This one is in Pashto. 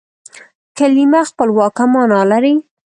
کلیمه خپلواکه مانا لري.